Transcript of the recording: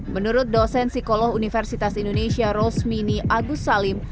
menurut dosen psikolog universitas indonesia rosmini agus salim